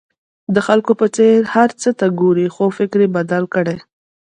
د خلکو په څېر هر څه ته ګورئ خو فکر یې بدل کړئ.